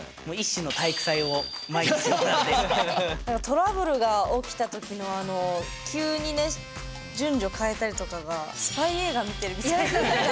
トラブルが起きた時のあの急にね順序変えたりとかがスパイ映画見てるみたいなんか。